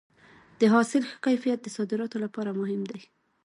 د حاصل ښه کیفیت د صادراتو لپاره مهم دی.